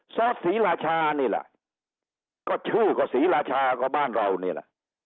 ซอสศรีราชานี่แหละก็ชื่อก็ศรีราชาก็บ้านเรานี่แหละ